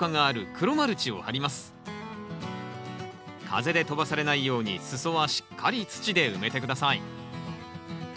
風で飛ばされないように裾はしっかり土で埋めて下さい。